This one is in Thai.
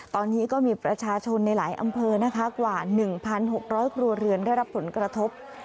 ตอนนี้ก็มีประชาชนในหลายอำเภอนะคะกว่า๑๖๐๐ครัวเรือนได้รับผลกระทบ